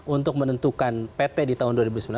untuk menentukan pt di tahun dua ribu sembilan belas